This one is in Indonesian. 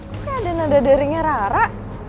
kok kayak ada nada daringnya rara